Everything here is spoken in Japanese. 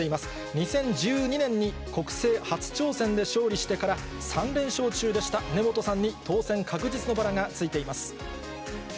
２０１２年に国政初挑戦で勝利してから、３連勝中でした、根本さんに当選確実のバラがついています。